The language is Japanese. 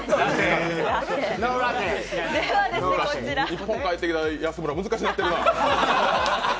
日本帰ってきて安村、難しくなってんな。